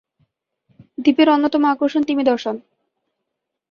দ্বীপের অন্যতম আকর্ষণ তিমি দর্শন।